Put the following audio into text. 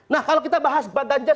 nah kalau kita bahas pak ganjar